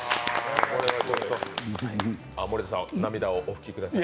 森田さん、涙をお拭きください。